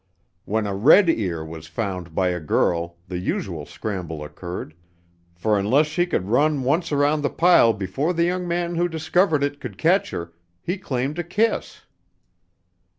When a red ear was found by a girl the usual scramble occurred, for unless she could run once around the pile before the young man who discovered it could catch her, he claimed a kiss.